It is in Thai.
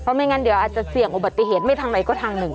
ไม่งั้นเดี๋ยวอาจจะเสี่ยงอุบัติเหตุไม่ทางไหนก็ทางหนึ่ง